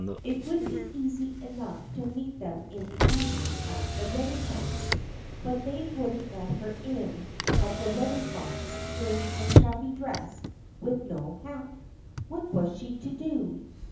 It would be easy enough to meet them in the evening at the "Renaissance," but they wouldn't let her in at the "Renaissance" in that shabby dress and with no hat. What was she to do?